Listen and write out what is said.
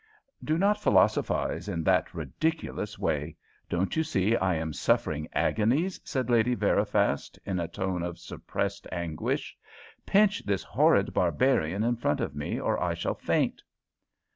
"Do not philosophise in that ridiculous way; don't you see I am suffering agonies?" said Lady Veriphast, in a tone of suppressed anguish. "Pinch this horrid barbarian in front of me or I shall faint."